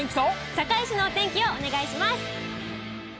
堺市のお天気をお願いします。